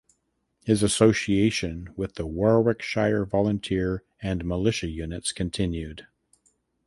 His association with the Warwickshire volunteer and militia units continued.